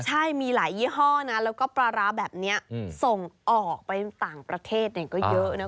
ใช่มีหลายยี่ห้อนะแล้วก็ปลาร้าแบบนี้ส่งออกไปต่างประเทศก็เยอะนะ